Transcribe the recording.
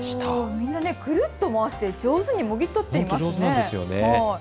みんな、くるっと回して上手にもぎ取っていますね。